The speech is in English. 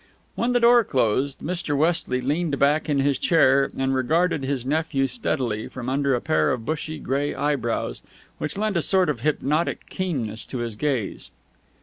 When the door closed, Mr. Westley leaned back in his chair, and regarded his nephew steadily from under a pair of bushy gray eyebrows which lent a sort of hypnotic keenness to his gaze.